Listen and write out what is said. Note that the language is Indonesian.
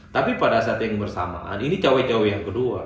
tapi pada saat yang bersamaan ini cawe cawe yang kedua